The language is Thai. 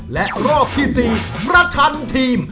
และรอบที่๔ประชันทีม